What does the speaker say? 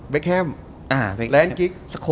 เบ๊กแฮมแลนด์กริก